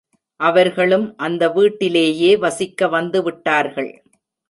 அவர்களும் அந்த வீட்டிலேயே வசிக்க வந்துவிட்டார்கள்.